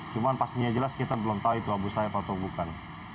cuman pastinya jelas kita belum tahu itu abu sayyaf atau bukan